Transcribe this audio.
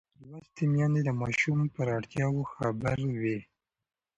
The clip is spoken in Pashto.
لوستې میندې د ماشوم پر اړتیاوو خبر وي.